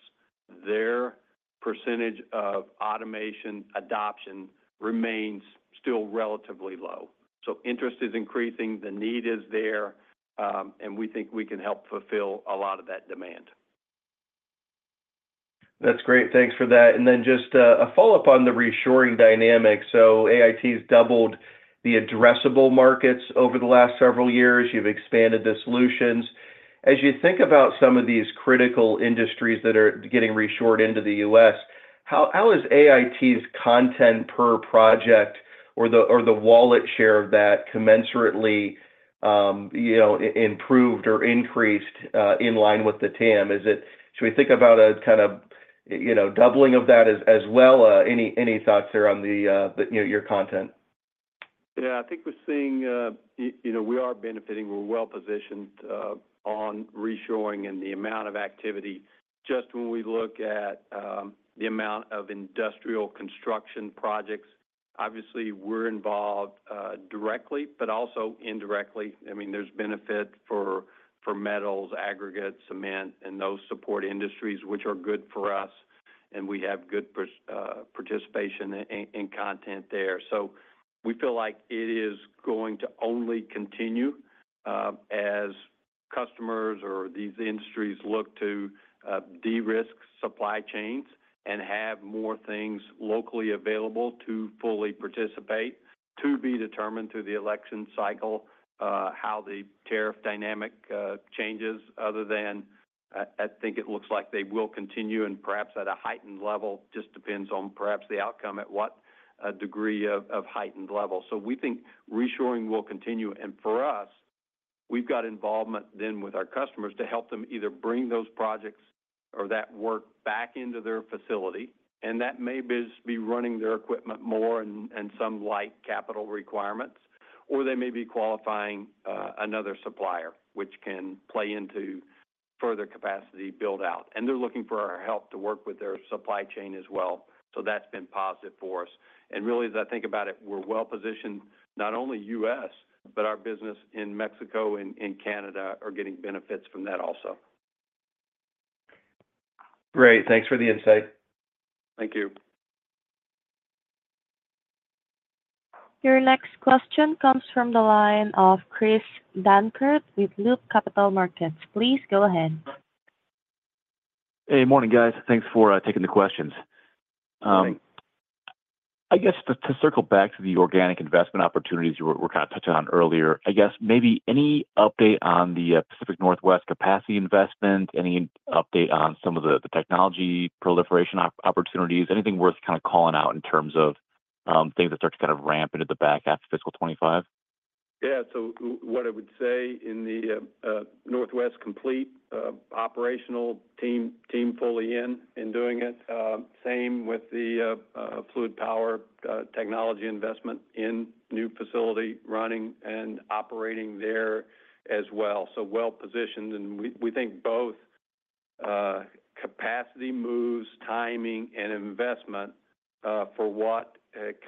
Their percentage of automation adoption remains still relatively low. So interest is increasing, the need is there, and we think we can help fulfill a lot of that demand. That's great. Thanks for that. And then just a follow-up on the reshoring dynamic. So AIT's doubled the addressable markets over the last several years. You've expanded the solutions. As you think about some of these critical industries that are getting reshored into the US, how is AIT's content per project or the wallet share of that commensurately, you know, improved or increased in line with the TAM? Is it? Should we think about a kind of, you know, doubling of that as well? Any thoughts there on the, you know, your content? Yeah, I think we're seeing, you know, we are benefiting. We're well positioned, on reshoring and the amount of activity. Just when we look at, the amount of industrial construction projects, obviously, we're involved, directly, but also indirectly. I mean, there's benefit for, for metals, aggregate, cement, and those support industries, which are good for us, and we have good participation in content there. So we feel like it is going to only continue, as customers or these industries look to, de-risk supply chains and have more things locally available to fully participate. To be determined through the election cycle, how the tariff dynamic, changes, other than I, I think it looks like they will continue and perhaps at a heightened level, just depends on perhaps the outcome, at what, degree of, of heightened level. So we think reshoring will continue. And for us, we've got involvement then with our customers to help them either bring those projects or that work back into their facility, and that may just be running their equipment more and some light capital requirements, or they may be qualifying another supplier, which can play into further capacity build-out. And they're looking for our help to work with their supply chain as well. So that's been positive for us. And really, as I think about it, we're well positioned, not only U.S., but our business in Mexico and Canada are getting benefits from that also. Great. Thanks for the insight. Thank you. Your next question comes from the line of Chris Dankert with Loop Capital Markets. Please go ahead. Hey, morning, guys. Thanks for taking the questions. Good morning.... I guess to circle back to the organic investment opportunities you were kind of touching on earlier, I guess maybe any update on the Pacific Northwest capacity investment? Any update on some of the technology proliferation opportunities? Anything worth kind of calling out in terms of things that start to kind of ramp into the back half of fiscal 2025? Yeah. So what I would say in the Northwest complete operational team fully in doing it. Same with the fluid power technology investment in new facility running and operating there as well. So well-positioned, and we think both capacity moves, timing, and investment for what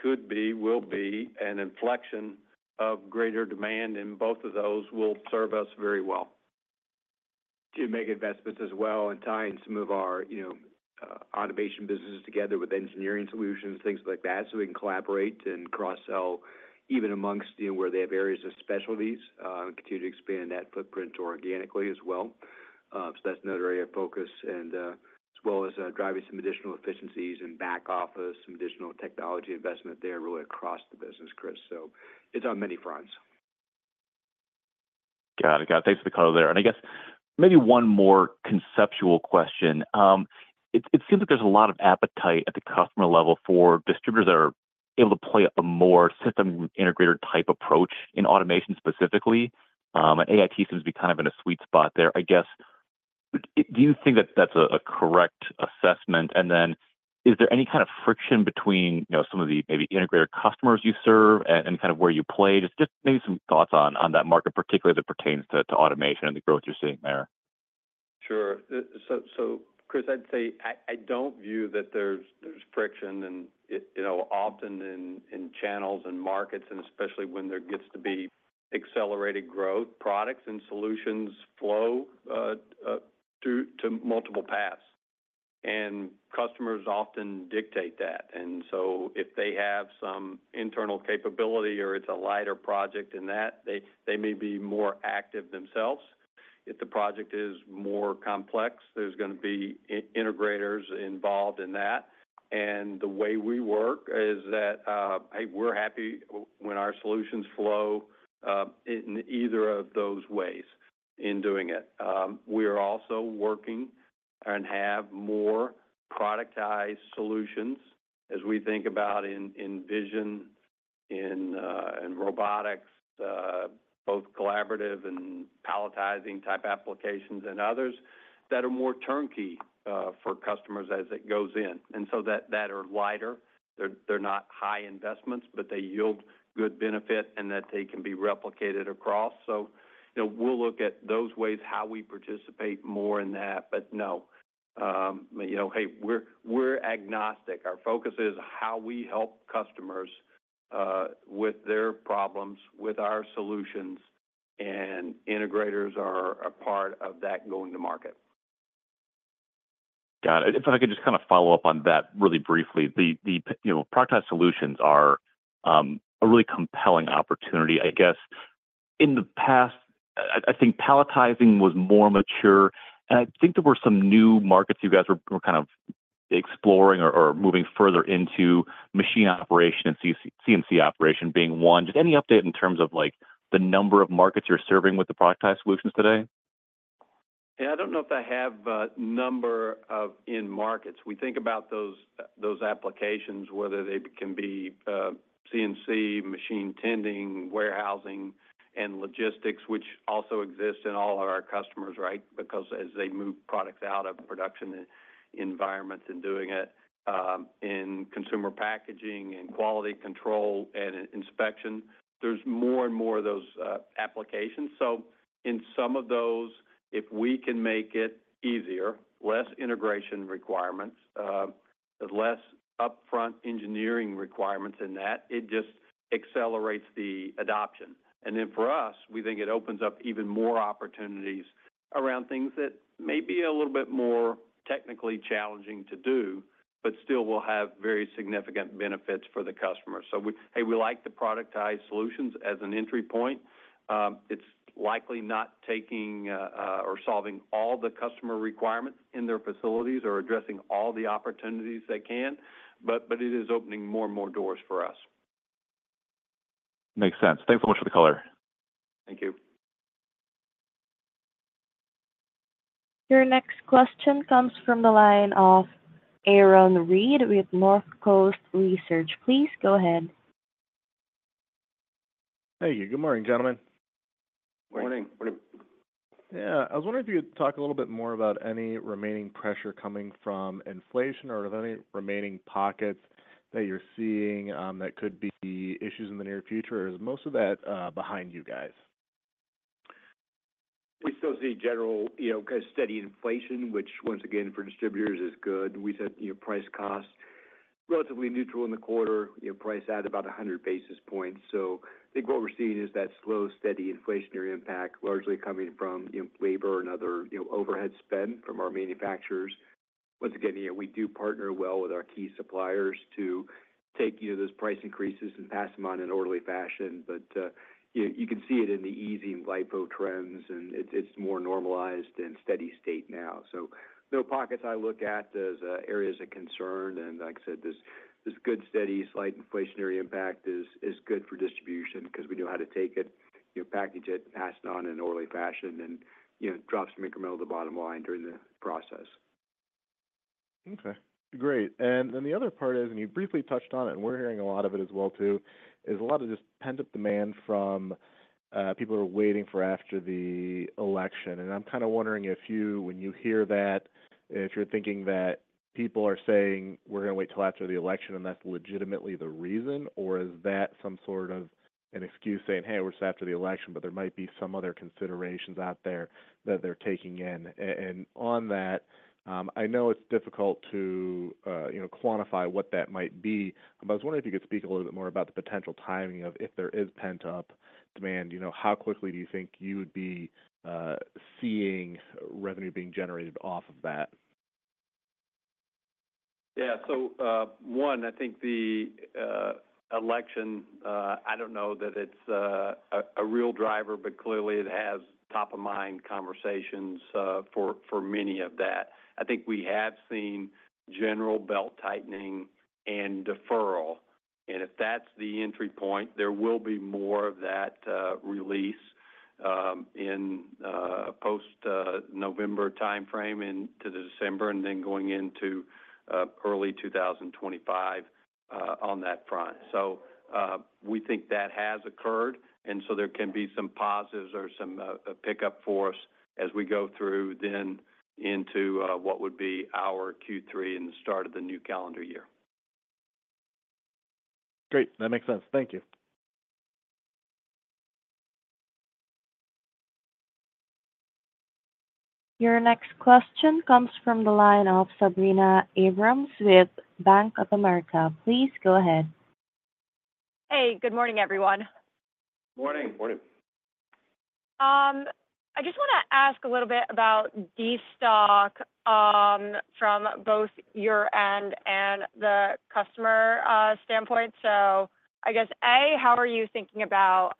could be will be an inflection of greater demand, and both of those will serve us very well. To make investments as well, and tying some of our, you know, automation businesses together with engineering solutions, things like that, so we can collaborate and cross-sell even amongst, you know, where they have areas of specialties, and continue to expand that footprint organically as well. So that's another area of focus, and, as well as, driving some additional efficiencies and back office, some additional technology investment there, really across the business, Chris. So it's on many fronts. Got it. Got it. Thanks for the color there. And I guess maybe one more conceptual question. It seems like there's a lot of appetite at the customer level for distributors that are able to play a more system integrator-type approach in automation specifically. And AIT seems to be kind of in a sweet spot there. I guess, do you think that that's a correct assessment? And then, is there any kind of friction between, you know, some of the maybe integrator customers you serve and kind of where you play? Just maybe some thoughts on that market, particularly that pertains to automation and the growth you're seeing there. Sure. So, Chris, I'd say I don't view that there's friction, and, you know, often in channels and markets, and especially when there gets to be accelerated growth, products and solutions flow through to multiple paths, and customers often dictate that, and so if they have some internal capability or it's a lighter project in that, they may be more active themselves. If the project is more complex, there's gonna be integrators involved in that, and the way we work is that, hey, we're happy when our solutions flow in either of those ways in doing it. We are also working and have more productized solutions as we think about in vision, in robotics, both collaborative and palletizing-type applications and others, that are more turnkey for customers as it goes in. And so that are lighter. They're not high investments, but they yield good benefit and that they can be replicated across. So, you know, we'll look at those ways, how we participate more in that. But no, you know, hey, we're agnostic. Our focus is how we help customers with their problems, with our solutions, and integrators are a part of that going to market. Got it. If I could just kind of follow up on that really briefly. The you know, productized solutions are a really compelling opportunity. I guess in the past, I think palletizing was more mature, and I think there were some new markets you guys were kind of exploring or moving further into machine operation and CNC operation being one. Just any update in terms of, like, the number of markets you're serving with the productized solutions today? Yeah, I don't know if I have a number of in markets. We think about those applications, whether they can be CNC, machine tending, warehousing, and logistics, which also exist in all of our customers, right? Because as they move products out of production environments and doing it in consumer packaging and quality control and inspection, there's more and more of those applications. So in some of those, if we can make it easier, less integration requirements, less upfront engineering requirements in that, it just accelerates the adoption. And then for us, we think it opens up even more opportunities around things that may be a little bit more technically challenging to do, but still will have very significant benefits for the customer. So we... Hey, we like the productized solutions as an entry point. It's likely not taking or solving all the customer requirements in their facilities or addressing all the opportunities they can, but it is opening more and more doors for us. Makes sense. Thank you so much for the color. Thank you. Your next question comes from the line of Aaron Reeve with Northcoast Research. Please go ahead. Thank you. Good morning, gentlemen. Morning. Morning. Yeah. I was wondering if you could talk a little bit more about any remaining pressure coming from inflation, or are there any remaining pockets that you're seeing, that could be issues in the near future, or is most of that, behind you guys? We still see general, you know, steady inflation, which once again, for distributors is good. We said, you know, price-costs relatively neutral in the quarter, you know, price at about a hundred basis points, so I think what we're seeing is that slow, steady inflationary impact, largely coming from, you know, labor and other, you know, overhead spend from our manufacturers. ... Once again, yeah, we do partner well with our key suppliers to take, you know, those price increases and pass them on in an orderly fashion. But, you can see it in the easing LIFO trends, and it's more normalized and steady state now. So no pockets I look at as areas of concern, and like I said, this good, steady, slight inflationary impact is good for distribution 'cause we know how to take it, you know, package it, pass it on in an orderly fashion, and, you know, drops some incremental to the bottom line during the process. Okay, great. And then the other part is, and you briefly touched on it, and we're hearing a lot of it as well too, is a lot of just pent-up demand from people who are waiting for after the election. And I'm kind of wondering if you-- when you hear that, if you're thinking that people are saying, "We're gonna wait till after the election," and that's legitimately the reason, or is that some sort of an excuse saying, "Hey, we'll wait after the election," but there might be some other considerations out there that they're taking in? And on that, I know it's difficult to, you know, quantify what that might be, but I was wondering if you could speak a little bit more about the potential timing of if there is pent-up demand, you know, how quickly do you think you would be seeing revenue being generated off of that? Yeah. So one, I think the election. I don't know that it's a real driver, but clearly it has top-of-mind conversations for many of that. I think we have seen general belt-tightening and deferral, and if that's the entry point, there will be more of that release in post-November timeframe into the December, and then going into early two thousand twenty-five on that front. So we think that has occurred, and so there can be some positives or some a pickup for us as we go through then into what would be our Q3 and the start of the new calendar year. Great! That makes sense. Thank you. Your next question comes from the line of Sabrina Abrams with Bank of America. Please go ahead. Hey, good morning, everyone. Morning. Morning. I just wanna ask a little bit about destocking from both your end and the customer standpoint. So I guess, A, how are you thinking about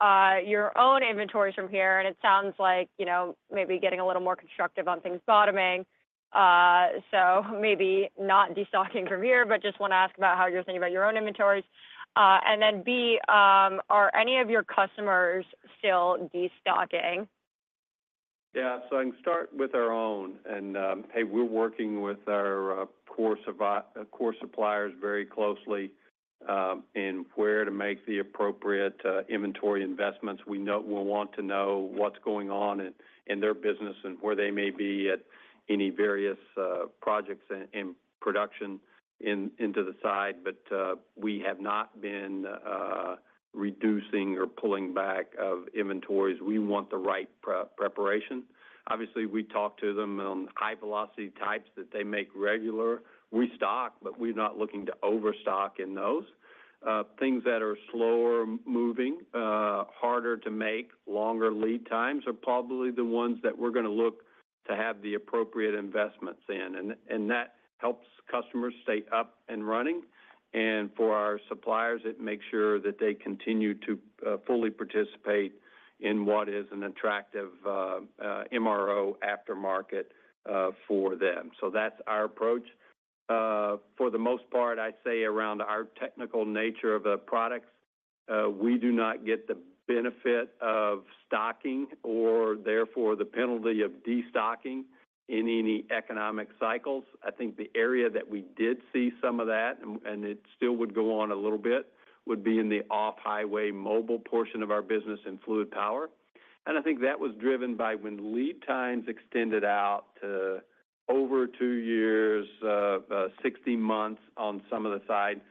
your own inventories from here? And it sounds like, you know, maybe getting a little more constructive on things bottoming. So maybe not destocking from here, but just wanna ask about how you're thinking about your own inventories. And then, B, are any of your customers still destocking? Yeah. So I can start with our own, and we're working with our core suppliers very closely in where to make the appropriate inventory investments. We want to know what's going on in their business and where they may be at any various projects and production into the side. But we have not been reducing or pulling back of inventories. We want the right preparation. Obviously, we talk to them on high velocity types that they make regular. We stock, but we're not looking to overstock in those. Things that are slower moving, harder to make, longer lead times, are probably the ones that we're gonna look to have the appropriate investments in, and that helps customers stay up and running. And for our suppliers, it makes sure that they continue to fully participate in what is an attractive MRO aftermarket for them. So that's our approach. For the most part, I'd say around our technical nature of the products, we do not get the benefit of stocking or therefore, the penalty of destocking in any economic cycles. I think the area that we did see some of that, and it still would go on a little bit, would be in the off-highway mobile portion of our business and fluid power. And I think that was driven by when lead times extended out to over two years, sixty months on some of the side.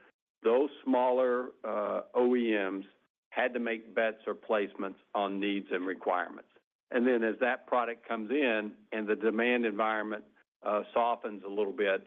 Those smaller OEMs had to make bets or placements on needs and requirements. And then as that product comes in and the demand environment softens a little bit,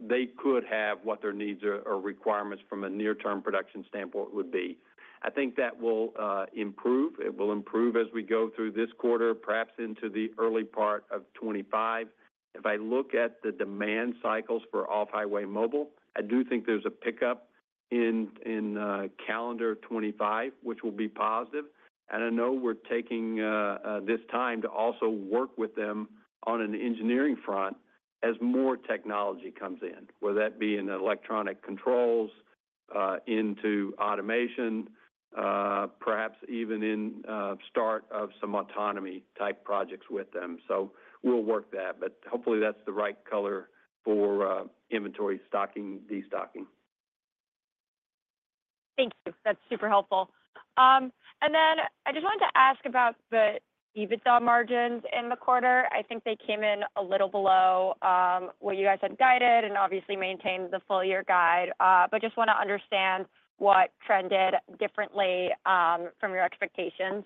they could have what their needs or requirements from a near-term production standpoint would be. I think that will improve. It will improve as we go through this quarter, perhaps into the early part of 2025. If I look at the demand cycles for off-highway mobile, I do think there's a pickup in calendar 2025, which will be positive. And I know we're taking this time to also work with them on an engineering front as more technology comes in, whether that be in electronic controls into automation, perhaps even in start of some autonomy-type projects with them. So we'll work that, but hopefully that's the right color for inventory, stocking, destocking. Thank you. That's super helpful. And then I just wanted to ask about the EBITDA margins in the quarter. I think they came in a little below what you guys had guided, and obviously maintained the full year guide. But just wanna understand what trended differently from your expectations.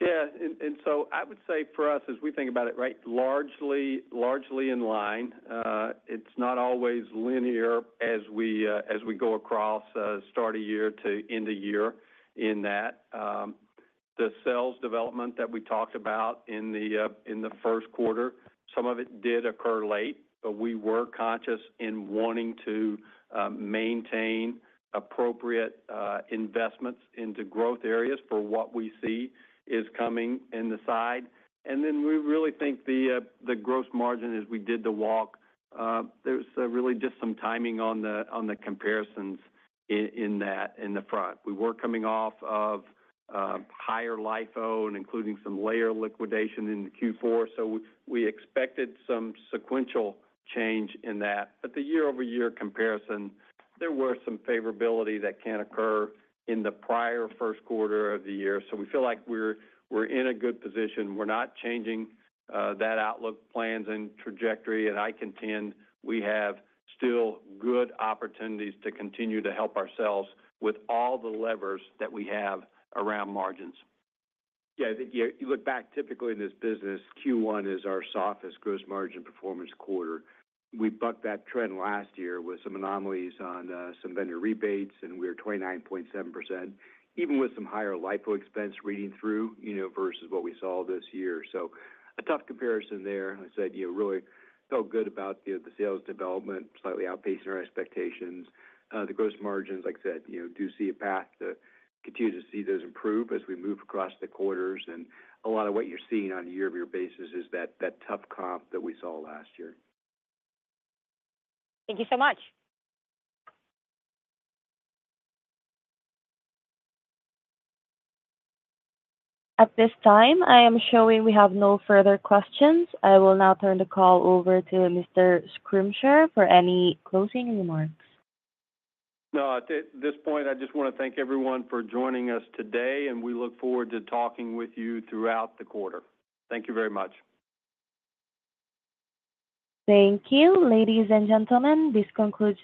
Yeah. And so I would say for us, as we think about it, right, largely in line, it's not always linear as we go across start of year to end of year in that. The sales development that we talked about in the first quarter, some of it did occur late, but we were conscious in wanting to maintain appropriate investments into growth areas for what we see is coming in the side. And then we really think the gross margin as we did the walk, there's really just some timing on the comparisons in that in the front. We were coming off of higher LIFO and including some layer liquidation in the Q4, so we expected some sequential change in that. But the year-over-year comparison, there were some favorability that can occur in the prior first quarter of the year. So we feel like we're in a good position. We're not changing, that outlook plans and trajectory, and I contend we have still good opportunities to continue to help ourselves with all the levers that we have around margins. Yeah, I think you, you look back typically in this business, Quarter one is our softest gross margin performance quarter. We bucked that trend last year with some anomalies on some vendor rebates, and we were 29.7%, even with some higher LIFO expense reading through, you know, versus what we saw this year. So a tough comparison there. I said, you know, really felt good about the sales development, slightly outpacing our expectations. The gross margins, like I said, you know, do see a path to continue to see those improve as we move across the quarters, and a lot of what you're seeing on a year-over-year basis is that tough comp that we saw last year. Thank you so much. At this time, I am showing we have no further questions. I will now turn the call over to Mr. Scrimshire for any closing remarks. No, at this point, I just want to thank everyone for joining us today, and we look forward to talking with you throughout the quarter. Thank you very much. Thank you. Ladies and gentlemen, this concludes-